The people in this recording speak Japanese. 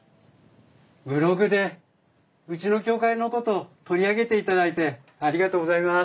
ブログでうちの協会のこと取り上げていただいてありがとうございます。